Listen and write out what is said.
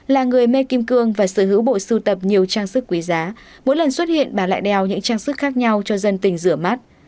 là người mê kim cương và sở hữu bộ sưu tập nhiều trang sức quý giá mỗi lần xuất hiện bà lại đeo những trang sức khác nhau cho dân tình rửa mắt